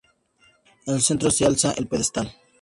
En el centro, se alza el pedestal.